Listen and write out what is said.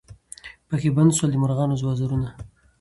پکښي بند سول د مرغانو وزرونه